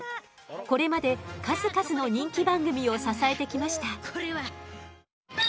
これまで数々の人気番組を支えてきました。